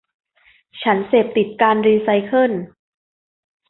ฉันเสพติดการรีไซเคิล